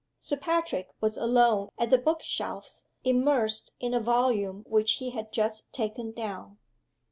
Sir Patrick was alone at the book shelves immersed in a volume which he had just taken down.